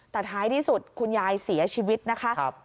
แต่ท้ายที่สุดคุณยายเสียชีวิตนะคะ